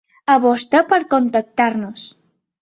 A vostè per contactar-nos.